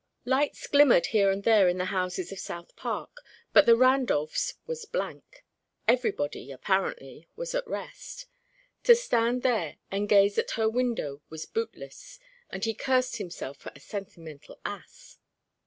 Lights glimmered here and there in the houses of South Park, but the Randolphs' was blank; everybody, apparently, was at rest. To stand there and gaze at her window was bootless; and he cursed himself for a sentimental ass.